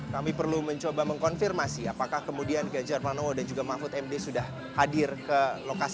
kami perlu mencoba mengkonfirmasi apakah kemudian ganjar pranowo dan juga mahfud md sudah hadir ke lokasi